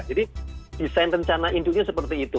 jadi desain rencana induknya seperti itu